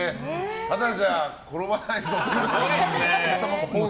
ただじゃ転ばないぞっていう。